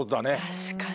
確かに。